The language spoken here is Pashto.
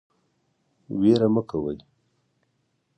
ویره مه کوئ